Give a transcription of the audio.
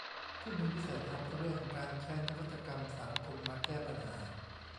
ผู้มีวิสัยทัศน์เรื่องการใช้นวัตกรรมสังคมมาแก้ปัญหา